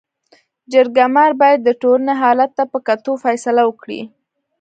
جرګه مار باید د ټولني حالت ته په کتو فيصله وکړي.